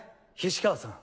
菱川さん。